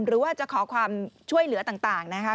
หรือว่าจะขอความช่วยเหลือต่างนะคะ